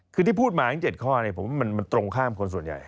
คือที่พูดมาทั้ง๗ข้อผมว่ามันตรงข้ามคนส่วนใหญ่